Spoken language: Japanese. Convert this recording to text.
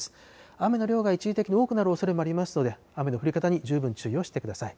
雨の量が一時的に多くなるおそれもありますので、雨の降り方に十分注意をしてください。